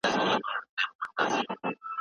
هلته د ودونو ډولونه بيان سوي دي.